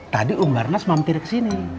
tadi umar nas mampir ke sini